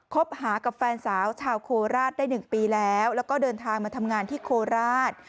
คบหากับแฟนสาวชาวโคราชได้๑ปีแล้วแล้วก็เดินทางมาทำงานที่โคราช